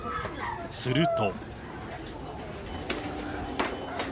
すると。